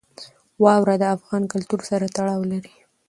واوره د افغان کلتور سره تړاو لري.